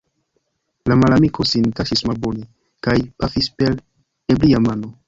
La malamiko sin kaŝis malbone, kaj pafis per ebria mano.